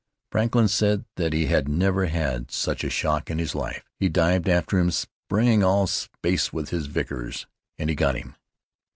Franklin said that he had never had such a shock in his life. He dived after him, spraying all space with his Vickers, and he got him!"